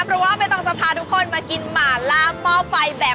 เพราะว่าไม่ต้องจะพาทุกคนมากินหมาล่ามหม้อไฟแบบ